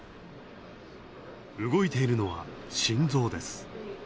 動いているのは心臓です。